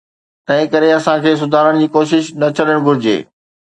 تنهن ڪري، اسان کي سڌارڻ جي ڪوشش نه ڇڏڻ گهرجي؟